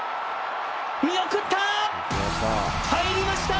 見送った！